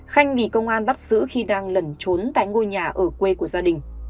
khanh bị công an bắt giữ khi đang lẩn trốn tại ngôi nhà ở quê của gia đình